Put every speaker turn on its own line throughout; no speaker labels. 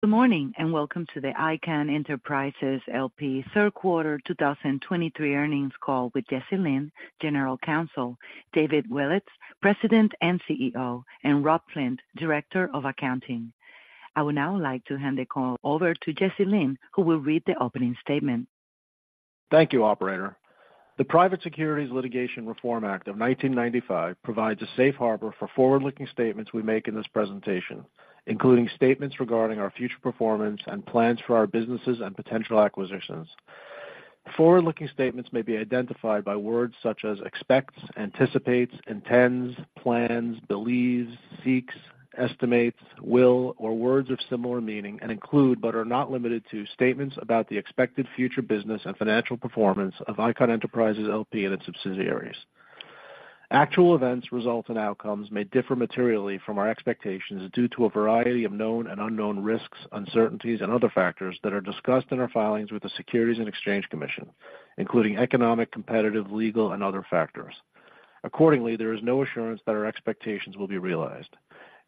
Good morning, and welcome to the Icahn Enterprises LP third quarter 2023 earnings call with Jesse Lynn, General Counsel, David Willetts, President and CEO, and Rob Flint, Director of Accounting. I would now like to hand the call over to Jesse Lynn, who will read the opening statement.
Thank you, operator. The Private Securities Litigation Reform Act of 1995 provides a safe harbor for forward-looking statements we make in this presentation, including statements regarding our future performance and plans for our businesses and potential acquisitions. Forward-looking statements may be identified by words such as expects, anticipates, intends, plans, believes, seeks, estimates, will, or words of similar meaning, and include, but are not limited to, statements about the expected future business and financial performance of Icahn Enterprises L.P. and its subsidiaries. Actual events, results, and outcomes may differ materially from our expectations due to a variety of known and unknown risks, uncertainties, and other factors that are discussed in our filings with the Securities and Exchange Commission, including economic, competitive, legal, and other factors. Accordingly, there is no assurance that our expectations will be realized.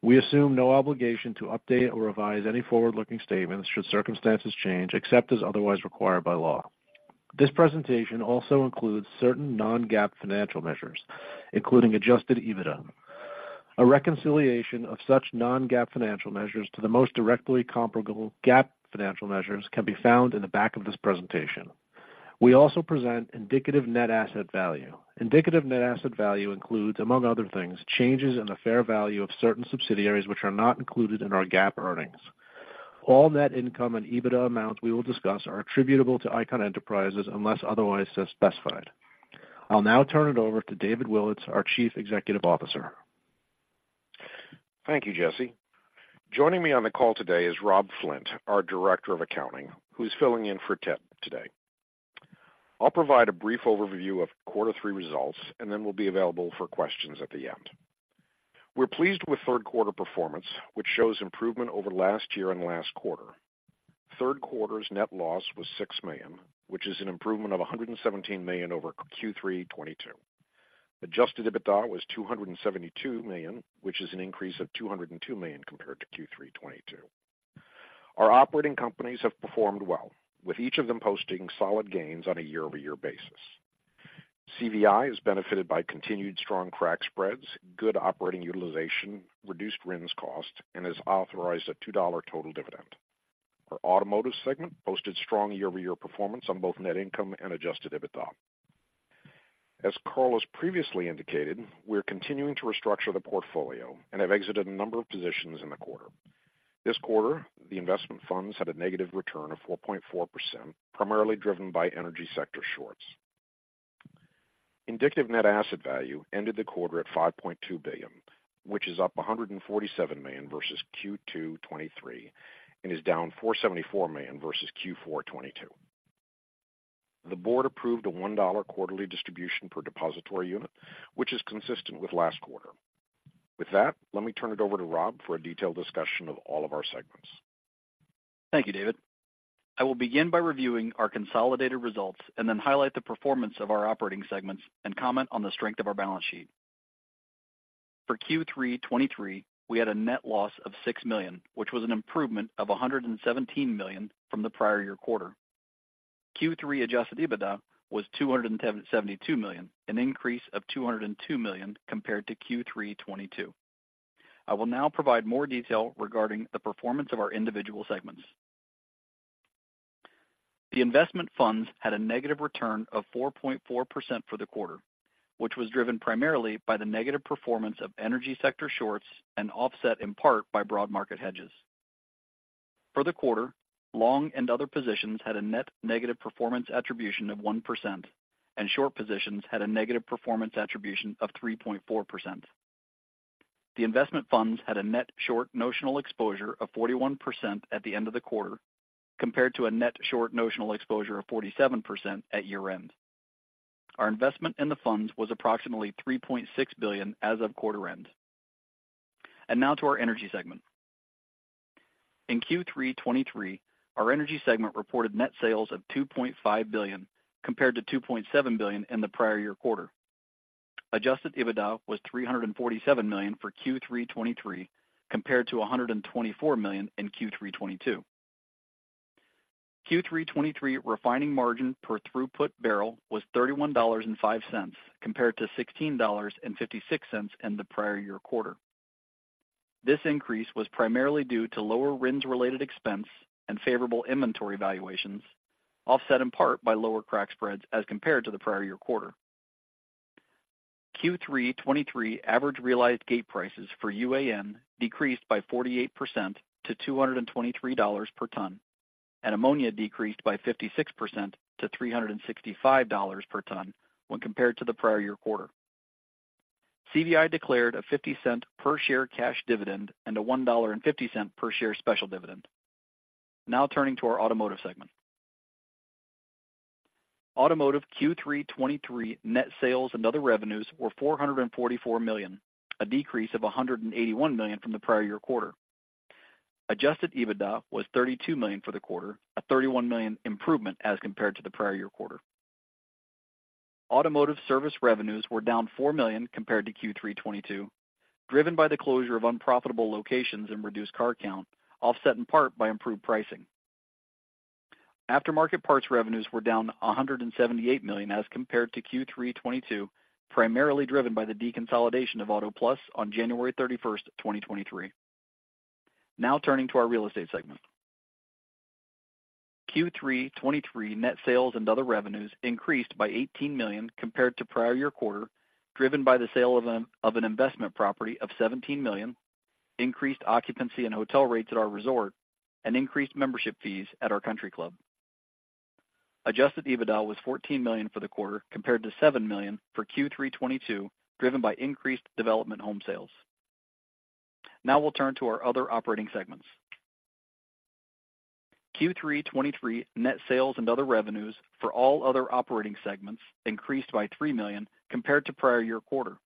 We assume no obligation to update or revise any forward-looking statements should circumstances change, except as otherwise required by law. This presentation also includes certain non-GAAP financial measures, including Adjusted EBITDA. A reconciliation of such non-GAAP financial measures to the most directly comparable GAAP financial measures can be found in the back of this presentation. We also present Indicative Net Asset Value. Indicative Net Asset Value includes, among other things, changes in the fair value of certain subsidiaries which are not included in our GAAP earnings. All net income and EBITDA amounts we will discuss are attributable to Icahn Enterprises unless otherwise so specified. I'll now turn it over to David Willetts, our Chief Executive Officer.
Thank you, Jesse. Joining me on the call today is Rob Flint, our Director of Accounting, who is filling in for Ted today. I'll provide a brief overview of quarter three results, and then we'll be available for questions at the end. We're pleased with third quarter performance, which shows improvement over last year and last quarter. Third quarter's net loss was $6 million, which is an improvement of $117 million over Q3 2022. Adjusted EBITDA was $272 million, which is an increase of $202 million compared to Q3 2022. Our operating companies have performed well, with each of them posting solid gains on a year-over-year basis. CVI has benefited by continued strong crack spreads, good operating utilization, reduced RINs cost, and has authorized a $2 total dividend. Our automotive segment posted strong year-over-year performance on both net income and Adjusted EBITDA. As Carl previously indicated, we're continuing to restructure the portfolio and have exited a number of positions in the quarter. This quarter, the investment funds had a negative return of 4.4%, primarily driven by energy sector shorts. Indicative Net Asset Value ended the quarter at $5.2 billion, which is up $147 million versus Q2 2023 and is down $474 million versus Q4 2022. The board approved a $1 quarterly distribution per Depositary Unit, which is consistent with last quarter. With that, let me turn it over to Rob for a detailed discussion of all of our segments.
Thank you, David. I will begin by reviewing our consolidated results and then highlight the performance of our operating segments and comment on the strength of our balance sheet. For Q3 2023, we had a net loss of $6 million, which was an improvement of $117 million from the prior year quarter. Q3 Adjusted EBITDA was $272 million, an increase of $202 million compared to Q3 2022. I will now provide more detail regarding the performance of our individual segments. The investment funds had a negative return of 4.4% for the quarter, which was driven primarily by the negative performance of energy sector shorts and offset in part by broad market hedges. For the quarter, long and other positions had a net negative performance attribution of 1%, and short positions had a negative performance attribution of 3.4%. The investment funds had a net short notional exposure of 41% at the end of the quarter, compared to a net short notional exposure of 47% at year-end. Our investment in the funds was approximately $3.6 billion as of quarter end. Now to our energy segment. In Q3 2023, our energy segment reported net sales of $2.5 billion, compared to $2.7 billion in the prior year quarter. Adjusted EBITDA was $347 million for Q3 2023, compared to $124 million in Q3 2022. Q3 '23 refining margin per throughput barrel was $31.05, compared to $16.56 in the prior year quarter. This increase was primarily due to lower RINs-related expense and favorable inventory valuations, offset in part by lower crack spreads as compared to the prior year quarter. Q3 '23 average realized gate prices for UAN decreased by 48% to $223 per ton, and ammonia decreased by 56% to $365 per ton when compared to the prior year quarter. CVI declared a $0.50 per share cash dividend and a $1.50 per share special dividend. Now turning to our automotive segment. Automotive Q3 2023 net sales and other revenues were $444 million, a decrease of $181 million from the prior year quarter. Adjusted EBITDA was $32 million for the quarter, a $31 million improvement as compared to the prior year quarter. Automotive service revenues were down $4 million compared to Q3 2022, driven by the closure of unprofitable locations and reduced car count, offset in part by improved pricing. Aftermarket parts revenues were down $178 million as compared to Q3 2022, primarily driven by the deconsolidation of Auto Plus on January 31, 2023. Now turning to our real estate segment. Q3 2023, net sales and other revenues increased by $18 million compared to prior year quarter, driven by the sale of an investment property of $17 million, increased occupancy and hotel rates at our resort, and increased membership fees at our country club. Adjusted EBITDA was $14 million for the quarter, compared to $7 million for Q3 2022, driven by increased development home sales. Now we'll turn to our other operating segments. Q3 2023, net sales and other revenues for all other operating segments increased by $3 million compared to prior year quarter.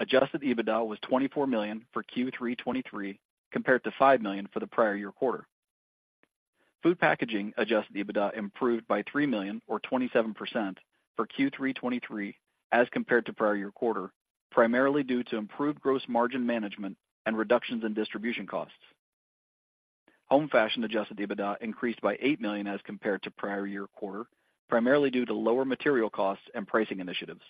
Adjusted EBITDA was $24 million for Q3 2023, compared to $5 million for the prior year quarter. Food Packaging Adjusted EBITDA improved by $3 million or 27% for Q3 2023 as compared to prior year quarter, primarily due to improved gross margin management and reductions in distribution costs. Home Fashion Adjusted EBITDA increased by $8 million as compared to prior year quarter, primarily due to lower material costs and pricing initiatives.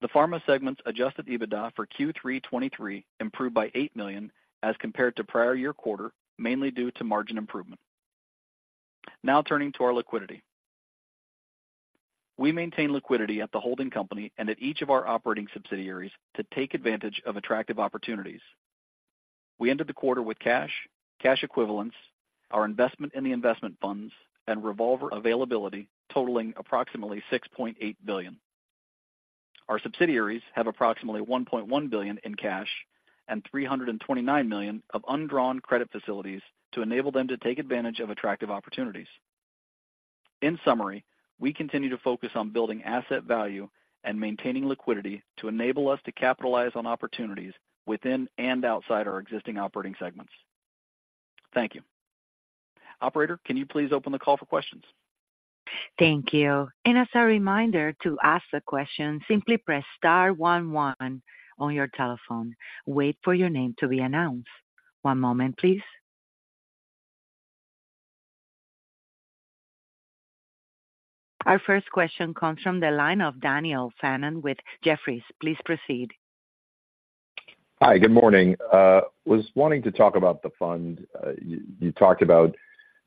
The Pharma segment's Adjusted EBITDA for Q3 2023 improved by $8 million as compared to prior year quarter, mainly due to margin improvement. Now turning to our liquidity. We maintain liquidity at the holding company and at each of our operating subsidiaries to take advantage of attractive opportunities. We ended the quarter with cash, cash equivalents, our investment in the investment funds, and revolver availability totaling approximately $6.8 billion. Our subsidiaries have approximately $1.1 billion in cash and $329 million of undrawn credit facilities to enable them to take advantage of attractive opportunities. In summary, we continue to focus on building asset value and maintaining liquidity to enable us to capitalize on opportunities within and outside our existing operating segments. Thank you. Operator, can you please open the call for questions?
Thank you. And as a reminder to ask a question, simply press star one, one on your telephone. Wait for your name to be announced. One moment, please. Our first question comes from the line of Daniel Fannon with Jefferies. Please proceed.
Hi, good morning. Was wanting to talk about the fund. You, you talked about,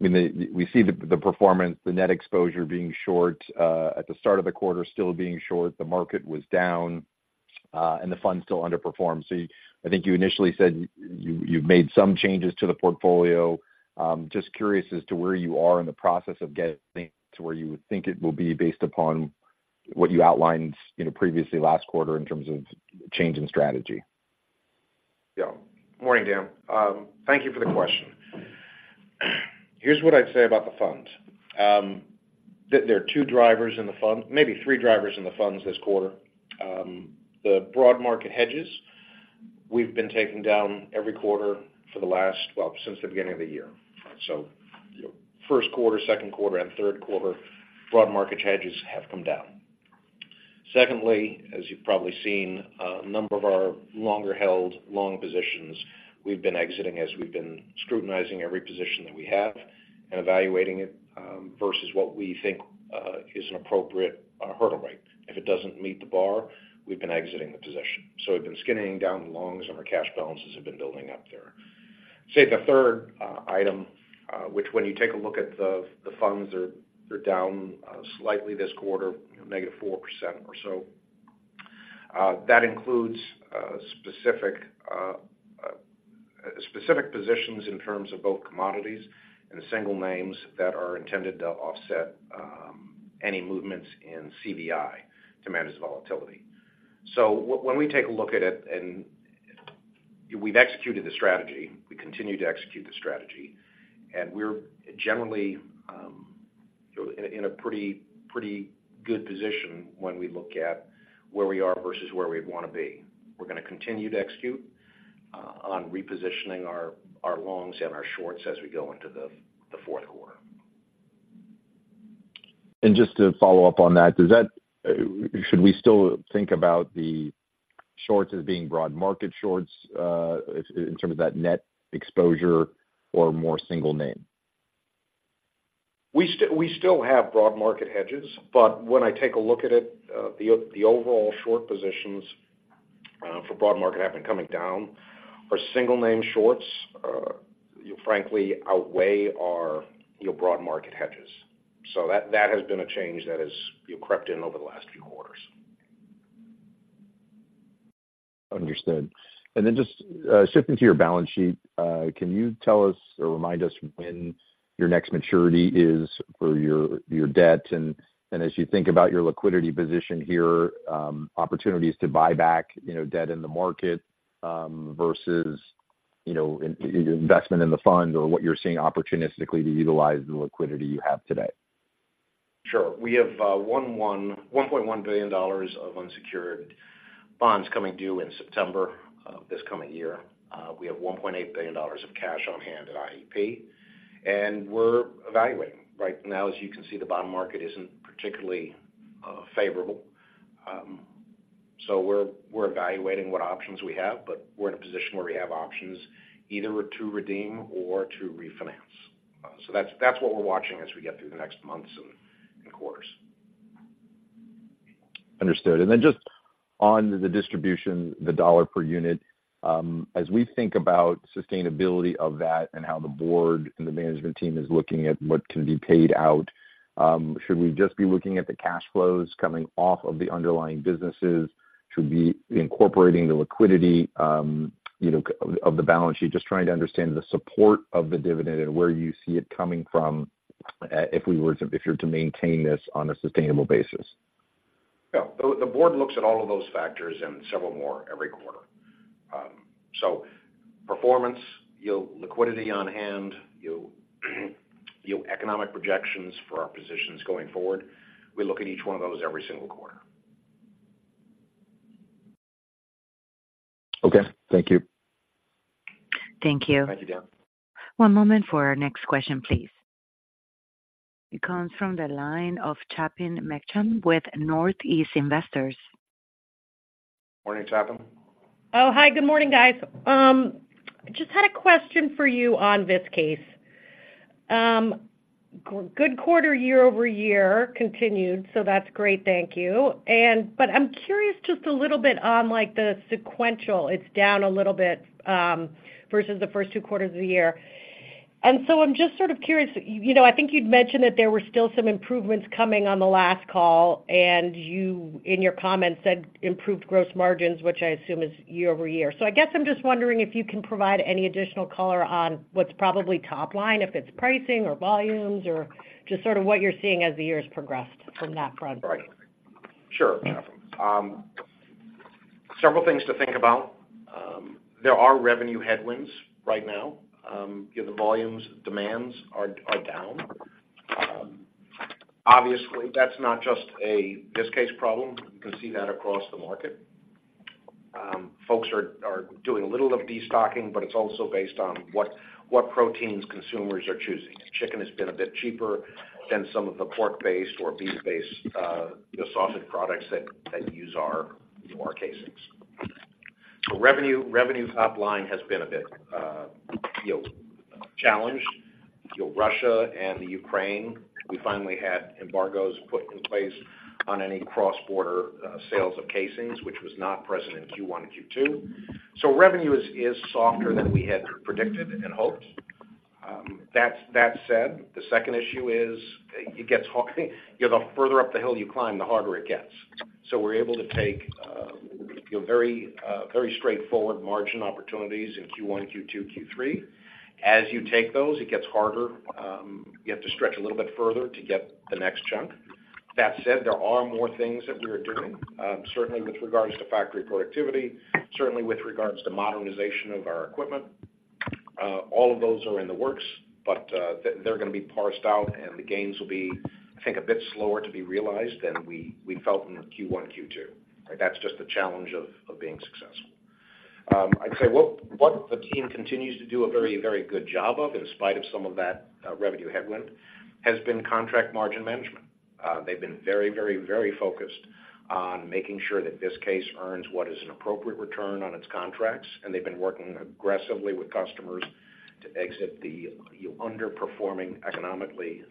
I mean, the, we see the, the performance, the net exposure being short at the start of the quarter, still being short, the market was down, and the fund still underperformed. So I think you initially said you, you've made some changes to the portfolio. Just curious as to where you are in the process of getting to where you would think it will be based upon what you outlined, you know, previously last quarter in terms of change in strategy.
Yeah. Morning, Dan. Thank you for the question. Here's what I'd say about the fund. There are two drivers in the fund, maybe three drivers in the funds this quarter. The broad market hedges, we've been taking down every quarter for the last, well, since the beginning of the year. So first quarter, second quarter, and third quarter, broad market hedges have come down. Secondly, as you've probably seen, a number of our longer-held long positions, we've been exiting as we've been scrutinizing every position that we have and evaluating it versus what we think is an appropriate hurdle rate. If it doesn't meet the bar, we've been exiting the position. So we've been skinning down the longs, and our cash balances have been building up there. I'd say the third item, which when you take a look at the funds are down slightly this quarter, negative 4% or so. That includes specific positions in terms of both commodities and the single names that are intended to offset any movements in CVI to manage the volatility. So when we take a look at it and we've executed the strategy, we continue to execute the strategy, and we're generally in a pretty good position when we look at where we are versus where we want to be. We're gonna continue to execute on repositioning our longs and our shorts as we go into the fourth quarter.
Just to follow up on that, should we still think about the shorts as being broad market shorts, in terms of that net exposure or more single name?
We still have broad market hedges, but when I take a look at it, the overall short positions for broad market have been coming down. Our single name shorts, frankly, outweigh our, you know, broad market hedges. So that, that has been a change that has, you know, crept in over the last few quarters.
Understood. And then just, shifting to your balance sheet, can you tell us or remind us when your next maturity is for your, your debt? And, as you think about your liquidity position here, opportunities to buy back, you know, debt in the market, versus, you know, investment in the fund or what you're seeing opportunistically to utilize the liquidity you have today?
Sure. We have $1.1 billion of unsecured bonds coming due in September....
this coming year. We have $1.8 billion of cash on hand at IEP, and we're evaluating. Right now, as you can see, the bond market isn't particularly favorable. So we're evaluating what options we have, but we're in a position where we have options either to redeem or to refinance. So that's what we're watching as we get through the next months and quarters.
Understood. And then just on the distribution, the dollar per unit, as we think about sustainability of that and how the board and the management team is looking at what can be paid out, should we just be looking at the cash flows coming off of the underlying businesses? Should we be incorporating the liquidity, you know, of the balance sheet? Just trying to understand the support of the dividend and where you see it coming from, if you're to maintain this on a sustainable basis.
Yeah. So the board looks at all of those factors and several more every quarter. So performance, yield, liquidity on hand, yield, yield, economic projections for our positions going forward. We look at each one of those every single quarter.
Okay. Thank you.
Thank you.
Thank you, Dan.
One moment for our next question, please. It comes from the line of Catherine Mechtin with Northeast Investors.
Morning, Catherine.
Oh, hi, good morning, guys. Just had a question for you on Viskase. Good quarter, year over year continued, so that's great. Thank you. But I'm curious just a little bit on, like, the sequential. It's down a little bit versus the first two quarters of the year. So I'm just sort of curious, you know, I think you'd mentioned that there were still some improvements coming on the last call, and you, in your comments, said improved gross margins, which I assume is year over year. So I guess I'm just wondering if you can provide any additional color on what's probably top line, if it's pricing or volumes, or just sort of what you're seeing as the years progressed from that front?
Right. Sure, Catherine. Several things to think about. There are revenue headwinds right now. You know, the volumes, demands are down. Obviously, that's not just a Viskase problem. You can see that across the market. Folks are doing a little of destocking, but it's also based on what proteins consumers are choosing. Chicken has been a bit cheaper than some of the pork-based or beef-based the sausage products that use our casings. So revenue, revenue top line has been a bit, you know, challenged. You know, Russia and the Ukraine, we finally had embargoes put in place on any cross-border sales of casings, which was not present in Q1 and Q2. So revenue is softer than we had predicted and hoped. That's, that said, the second issue is, it gets hard... You know, the further up the hill you climb, the harder it gets. So we're able to take, you know, very, very straightforward margin opportunities in Q1, Q2, Q3. As you take those, it gets harder. You have to stretch a little bit further to get the next chunk. That said, there are more things that we are doing, certainly with regards to factory productivity, certainly with regards to modernization of our equipment. All of those are in the works, but, they're gonna be parsed out, and the gains will be, I think, a bit slower to be realized than we, we felt in Q1, Q2. That's just the challenge of, of being successful. I'd say, what, what the team continues to do a very, very good job of, in spite of some of that, revenue headwind, has been contract margin management. They've been very, very, very focused on making sure that Viskase earns what is an appropriate return on its contracts, and they've been working aggressively with customers to exit the, you know, underperforming, economically,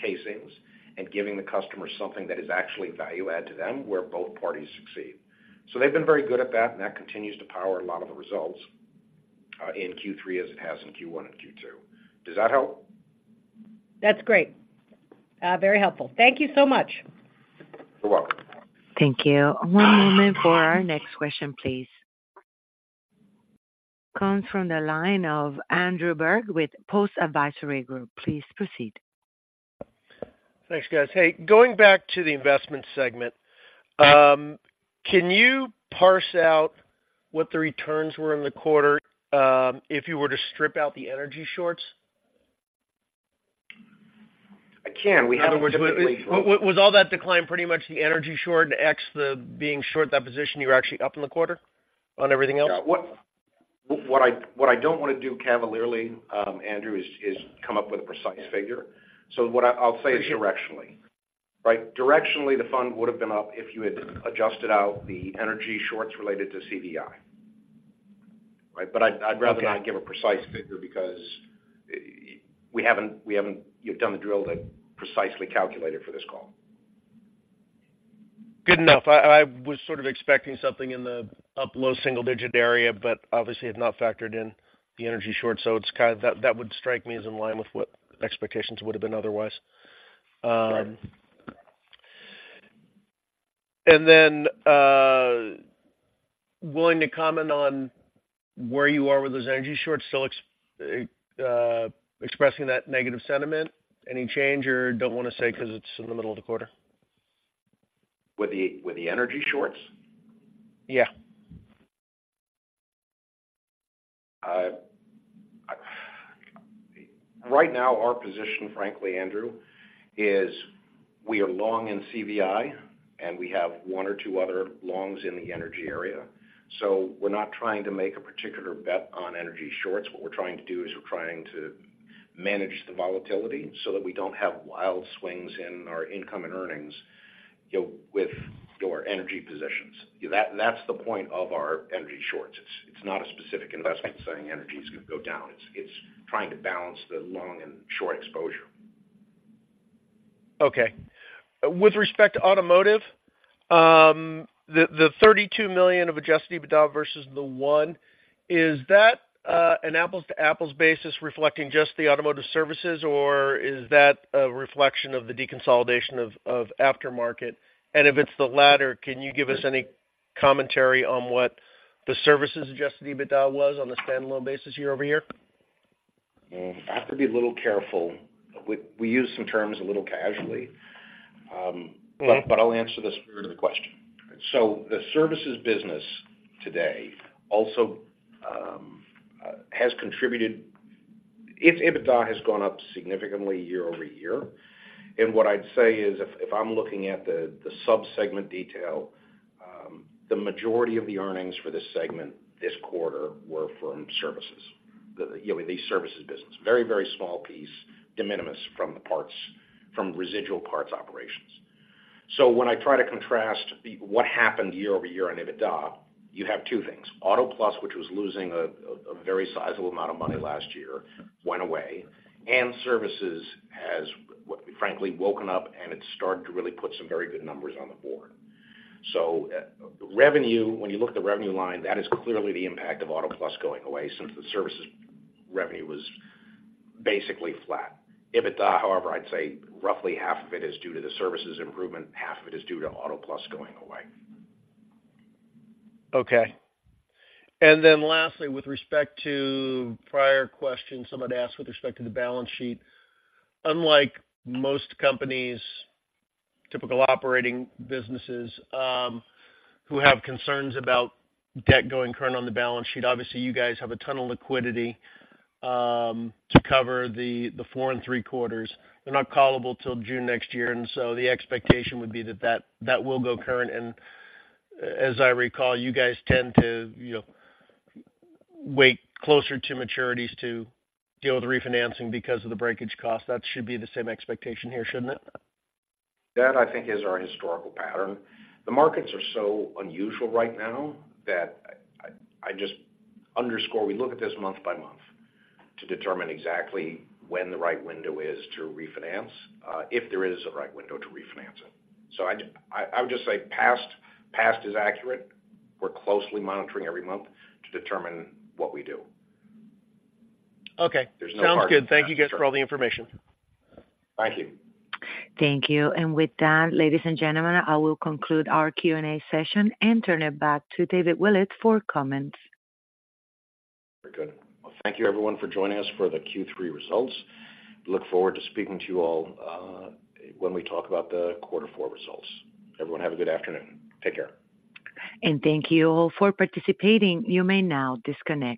casings and giving the customer something that is actually value add to them, where both parties succeed. So they've been very good at that, and that continues to power a lot of the results in Q3 as it has in Q1 and Q2. Does that help?
That's great. Very helpful. Thank you so much.
You're welcome.
Thank you. One moment for our next question, please. Comes from the line of Andrew Berg with Post Advisory Group. Please proceed.
Thanks, guys. Hey, going back to the investment segment, can you parse out what the returns were in the quarter, if you were to strip out the energy shorts?
I can. We haven't traditionally-
Was all that decline pretty much the energy short ex, the being short, that position you were actually up in the quarter on everything else?
Yeah. What I don't want to do cavalierly, Andrew, is come up with a precise figure. So what I'll say is directionally. Right? Directionally, the fund would have been up if you had adjusted out the energy shorts related to CVI. Right? But I'd rather-
Okay.
- not give a precise figure because, we haven't yet done the drill to precisely calculate it for this call.
Good enough. I, I was sort of expecting something in the up low single digit area, but obviously have not factored in the energy short. So it's kind of, that, that would strike me as in line with what expectations would have been otherwise.
Right.
And then, willing to comment on where you are with those energy shorts, still expressing that negative sentiment, any change, or don't want to say because it's in the middle of the quarter?
With the energy shorts?
Yeah....
Right now, our position, frankly, Andrew, is we are long in CVI, and we have one or two other longs in the energy area. So we're not trying to make a particular bet on energy shorts. What we're trying to do is we're trying to manage the volatility so that we don't have wild swings in our income and earnings, you know, with your energy positions. That, that's the point of our energy shorts. It's, it's not a specific investment saying energy is gonna go down. It's, it's trying to balance the long and short exposure.
Okay. With respect to automotive, the $32 million of Adjusted EBITDA versus the $1 million, is that an apples-to-apples basis reflecting just the automotive services, or is that a reflection of the deconsolidation of aftermarket? And if it's the latter, can you give us any commentary on what the services Adjusted EBITDA was on a standalone basis year-over-year?
Well, I have to be a little careful. We use some terms a little casually, but I'll answer the spirit of the question. So the services business today also has contributed. Its EBITDA has gone up significantly year-over-year. And what I'd say is, if I'm looking at the sub-segment detail, the majority of the earnings for this segment this quarter were from services. The, you know, the services business. Very, very small piece, de minimis from the parts, from residual parts operations. So when I try to contrast the what happened year-over-year in EBITDA, you have two things: Auto Plus, which was losing a very sizable amount of money last year, went away, and services has frankly woken up, and it's started to really put some very good numbers on the board. So, revenue, when you look at the revenue line, that is clearly the impact of Auto Plus going away since the services revenue was basically flat. EBITDA, however, I'd say roughly half of it is due to the services improvement, half of it is due to Auto Plus going away.
Okay. Then lastly, with respect to prior questions someone asked with respect to the balance sheet, unlike most companies, typical operating businesses, who have concerns about debt going current on the balance sheet, obviously, you guys have a ton of liquidity, to cover the, the 4 and 3/4. They're not callable till June next year, and so the expectation would be that, that, that will go current. As I recall, you guys tend to, you know, wait closer to maturities to deal with the refinancing because of the breakage cost. That should be the same expectation here, shouldn't it?
That, I think, is our historical pattern. The markets are so unusual right now that I just underscore, we look at this month by month to determine exactly when the right window is to refinance, if there is a right window to refinance it. So I would just say past, past is accurate. We're closely monitoring every month to determine what we do.
Okay.
There's no-
Sounds good. Thank you, guys, for all the information.
Thank you.
Thank you. With that, ladies and gentlemen, I will conclude our Q&A session and turn it back to David Willetts for comments.
Very good. Well, thank you, everyone, for joining us for the Q3 results. Look forward to speaking to you all, when we talk about the quarter four results. Everyone, have a good afternoon. Take care.
Thank you all for participating. You may now disconnect.